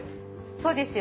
そうですよ